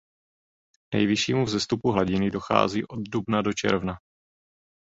K nejvyššímu vzestupu hladiny dochází od dubna do června.